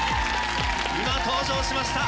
今登場しました